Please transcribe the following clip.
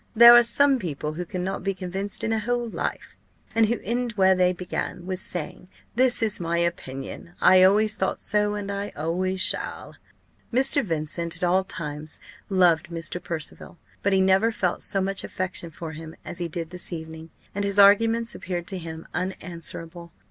There are some people who cannot be convinced in a whole life, and who end where they began, with saying 'This is my opinion I always thought so, and always shall.'" Mr. Vincent at all times loved Mr. Percival; but he never felt so much affection for him as he did this evening, and his arguments appeared to him unanswerable.